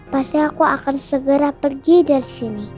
pasti aku akan segera pergi dari sini